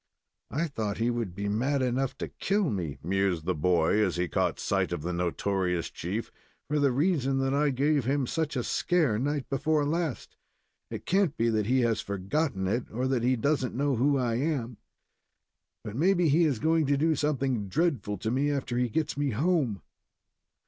"I thought he would be mad enough to kill me," mused the boy, as he caught sight of the notorious chief, "for the reason that I gave him such a scare night before last. It can't be that he has forgotten it or that he doesn't know who I am; but maybe he is going to do something dreadful to me after he gets me home."